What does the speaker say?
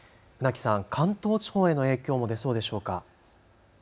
関東地方への影響も出そうでしょうか。